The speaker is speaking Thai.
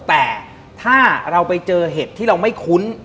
แต่ถ้าเราไปเจอเห็ดที่เราไม่คุ้น